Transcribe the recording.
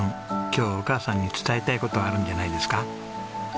今日お母さんに伝えたい事あるんじゃないですか？